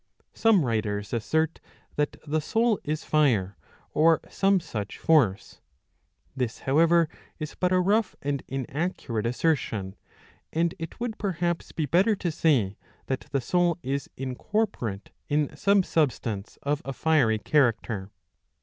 Some writers assert that the soul is fire or some such force.''' This however is but a rough and inaccurate assertion ; and it would perhaps be better to say that the soul is incorporate in some substance of a fiery character.